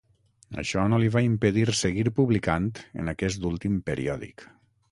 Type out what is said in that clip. Això no li va impedir seguir publicant en aquest últim periòdic.